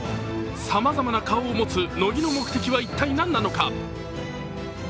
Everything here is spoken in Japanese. さまざまな顔を持つ乃木の目的は一体何なのか。